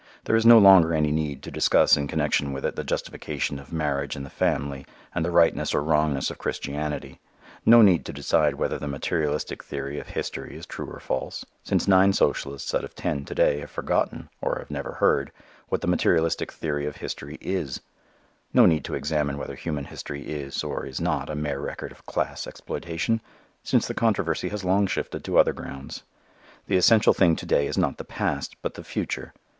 There is no longer any need to discuss in connection with it the justification of marriage and the family, and the rightness or wrongness of Christianity: no need to decide whether the materialistic theory of history is true or false, since nine socialists out of ten to day have forgotten, or have never heard, what the materialistic theory of history is: no need to examine whether human history is, or is not, a mere record of class exploitation, since the controversy has long shifted to other grounds. The essential thing to day is not the past, but the future.